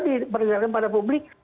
diperkenalkan pada publik